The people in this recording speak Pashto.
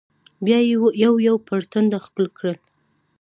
بيا يې يو يو پر ټنډه ښکل کړل.